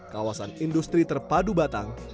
kawasan industri terpadu batang